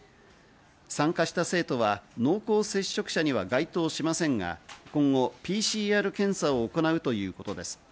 参加した生徒は濃厚接触者には該当しませんが今後ＰＣＲ検査を行うということです。